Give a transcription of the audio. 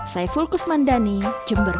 saya fulkus mandani jember